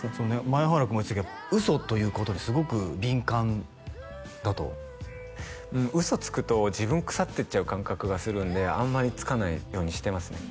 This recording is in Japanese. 前原君が言ってたけど嘘ということにすごく敏感だと嘘つくと自分腐ってっちゃう感覚がするんであんまりつかないようにしてますね